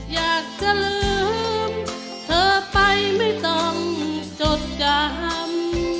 อยากจะลืมเธอไปไม่ต้องจดจำ